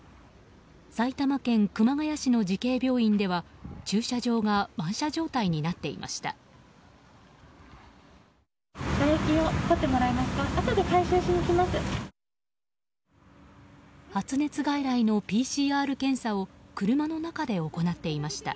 埼玉県熊谷市の慈恵病院では駐車場が満車状態になっていました。